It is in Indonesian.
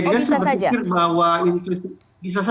bisa saja terjadi